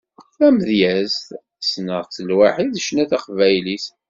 Tamedyazt, sneɣ-tt lwaḥi d ccna n teqbaylit.